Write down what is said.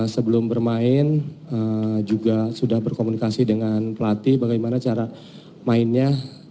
sebelum bermain juga sudah berkomunikasi dengan pelatih bagaimana cara mainnya